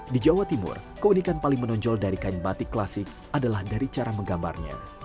di jawa timur keunikan paling menonjol dari kain batik klasik adalah dari cara menggambarnya